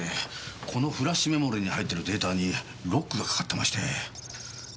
このフラシュメモリーに入っているデータにロックがかかってまして。